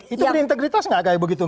itu berintegritas nggak kayak begitu